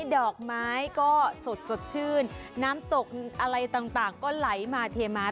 ดอกไม้ก็สดชื่นน้ำตกอะไรต่างก็ไหลมาเทมา